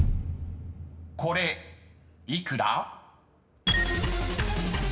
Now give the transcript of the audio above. ［これ幾ら？］